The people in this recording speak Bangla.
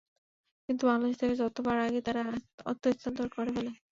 কিন্তু বাংলাদেশ থেকে তথ্য পাওয়ার আগেই তারা অর্থ স্থানান্তর করে ফেলে।